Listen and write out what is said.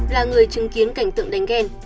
là người chứng kiến cảnh tượng đánh ghen